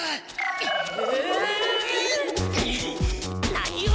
何を！